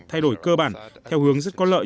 thay đổi cơ bản theo hướng rất có lợi